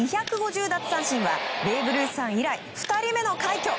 奪三振はベーブ・ルースさん以来２人目の快挙。